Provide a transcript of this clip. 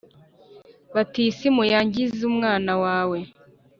batisimu yangize umwana wawe